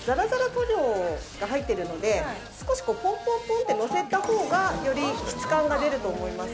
塗料が入ってるので少しポンポンとのせた方がより質感が出ると思います。